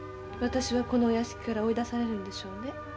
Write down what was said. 私はこのお屋敷から追い出されるんでしょうね。